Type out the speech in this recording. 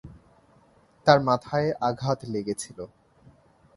তার মাথায় আঘাত লেগেছিল।